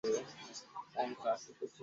ওরা আপনাকে বেছে নিয়েছে, রবার্ট।